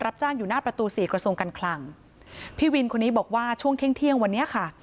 จ้างอยู่หน้าประตูสี่กระทรวงการคลังพี่วินคนนี้บอกว่าช่วงเที่ยงเที่ยงวันนี้ค่ะ